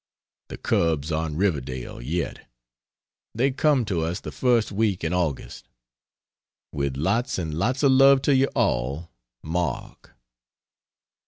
The cubs are in Riverdale, yet; they come to us the first week in August. With lots and lots of love to you all, MARK.